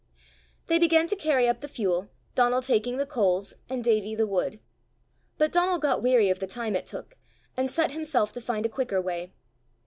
They began to carry up the fuel, Donal taking the coals, and Davie the wood. But Donal got weary of the time it took, and set himself to find a quicker way.